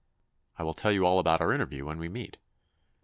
I will tell you all about our interview when we meet.